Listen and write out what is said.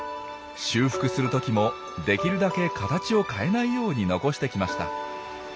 修復するときもできるだけ形を変えないように残してきました。